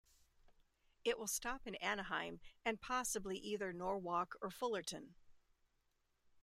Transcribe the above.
It will stop in Anaheim and possibly either Norwalk or Fullerton.